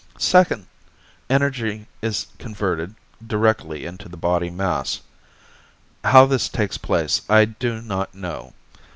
Second, energy is converted directly into the body mass. How this takes place, I do not know.